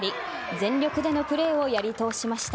全力のプレーをやり通しました。